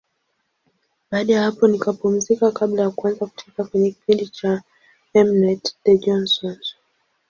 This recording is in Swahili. Baada ya hapo nikapumzika kabla ya kuanza kucheza kwenye kipindi cha M-net, The Johnsons.